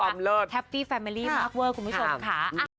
เออเลิศนะคะแคปตี้แฟมิลี่มากเวิร์ดคุณผู้ชมค่ะอันนี้ครับความเลิศ